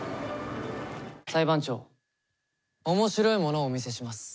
裁判長、面白いものをお見せします。